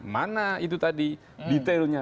mana itu tadi detailnya